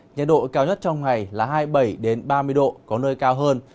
nhiệt độ cao nhất trong ngày là hai mươi bảy ba mươi độ có nơi cao hơn